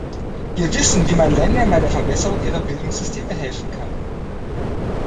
Wir wissen, wie man Ländern bei der Verbesserung ihrer Bildungssysteme helfen kann.